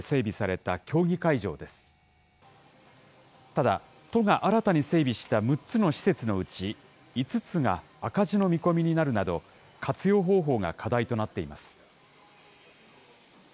ただ、都が新たに整備した６つの施設のうち５つが赤字の見込みになるなど、活用方法が課題となっています。